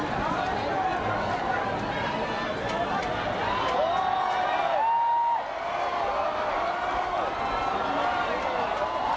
วิทยาลัยเมริกาวิทยาลัยเมริกา